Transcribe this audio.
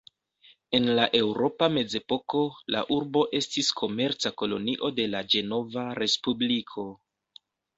En la eŭropa mezepoko, la urbo estis komerca kolonio de la Ĝenova Respubliko.